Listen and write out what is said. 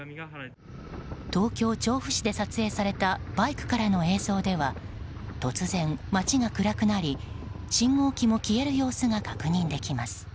東京・調布市で撮影されたバイクからの映像では突然、街が暗くなり信号機も消える様子が確認できます。